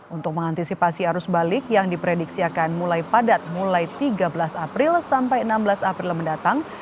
untuk mengantisipasi arus balik yang diprediksi akan mulai padat mulai tiga belas april sampai enam belas april mendatang